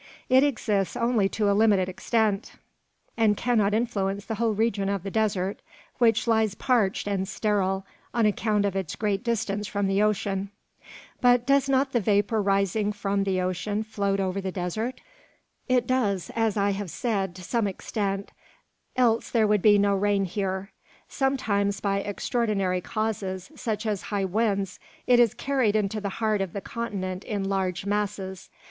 It exists only to a limited extent, and cannot influence the whole region of the desert, which lies parched and sterile, on account of its great distance from the ocean." "But does not the vapour rising from the ocean float over the desert?" "It does, as I have said, to some extent, else there would be no rain here. Sometimes by extraordinary causes, such as high winds, it is carried into the heart of the continent in large masses.